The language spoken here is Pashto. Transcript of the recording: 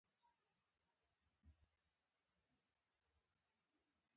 هر شخص باید خپل ژوند ته یو هدف ورکړي.